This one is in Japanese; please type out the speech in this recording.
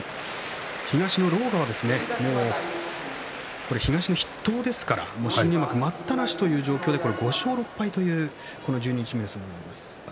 東の狼雅は筆頭ですから新入幕待ったなしで５勝６敗という十一日目の相撲になります。